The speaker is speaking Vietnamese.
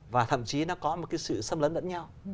và thậm chí nó có một cái sự xâm lấn lẫn nhau